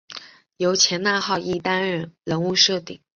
由前纳浩一担任人物设定。